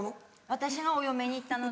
私がお嫁に行ったので。